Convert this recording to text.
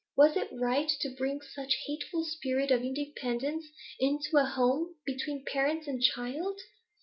Was it right to bring such a hateful spirit of independence into a home, between parents and child?